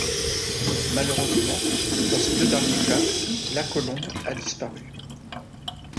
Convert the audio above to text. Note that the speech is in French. Malheureusement, dans ces deux derniers cas, la colombe a disparu.